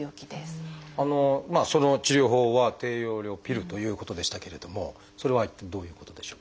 その治療法は低用量ピルということでしたけれどもそれは一体どういうことでしょう？